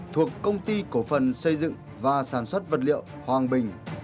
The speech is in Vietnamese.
thuộc công ty cổ phần xây dựng và sản xuất vật liệu hoàng bình